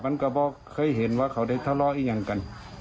มันก็บอกเคยเห็นว่าเขาได้ทะเลาะอีกอย่างกัน